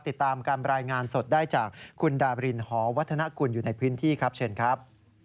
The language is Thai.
ติดตามการรายงานสดได้จากคุณดาบรินหอวัฒนกุลอยู่ในพื้นที่ครับเชิญครับ